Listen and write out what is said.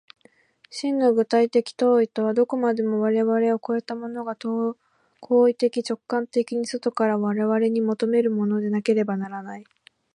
真の具体的当為とは、どこまでも我々を越えたものが行為的直観的に外から我々に求めるものでなければならない。